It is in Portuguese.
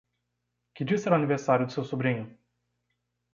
Que dia será o aniversário do seu sobrinho?